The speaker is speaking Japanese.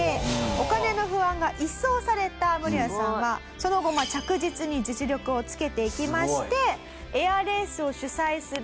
お金の不安が一掃されたムロヤさんはその後着実に実力をつけていきまして。